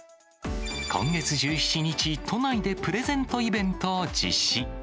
今月１７日、都内でプレゼントイベントを実施。